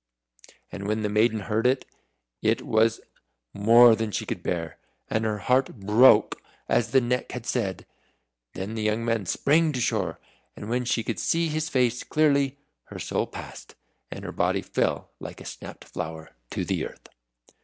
And when the maiden heard it, it was more than she could bear, and her heart broke, as the Neck had said. Then the young man sprang to shore, and when she could see his face clearly, her soul passed, and her body fell like a snapped flower to the earth.